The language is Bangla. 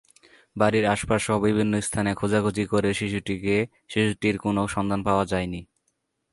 বাড়ির আশপাশসহ বিভিন্ন স্থানে খোঁজাখুঁজি করেও শিশুটির কোনো সন্ধান পাওয়া যায়নি তখন।